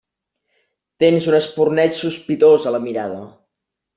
Tens un espurneig sospitós a la mirada.